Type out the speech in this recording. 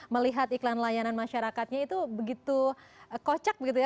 melihat iklan layanan masyarakatnya itu begitu kocak begitu ya